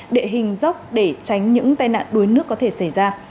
đệ hình dốc để tránh những tai nạn đuối nước có thể xảy ra